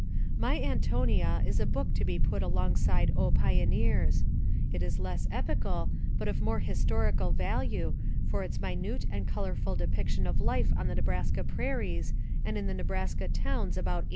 My Antonia is a book to be put alongside O Pio neers! It is less epical but of more historical value for its minute and colorful depiction of life on the Nebraska prairies and in the Nebraska towns about 1885.